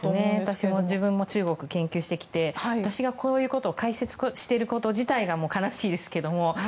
私も自分も中国を研究してきて私がこういうことを解説していること自体が悲しいですけども。